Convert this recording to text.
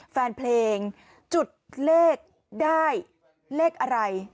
แฟนเพลงจุดเลขได้เลขอะไร